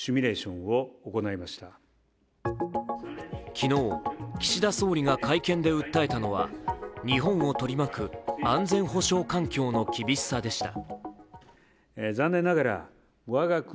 昨日、岸田総理が会見で訴えたのは日本を取り巻く安全保障環境の厳しさでした。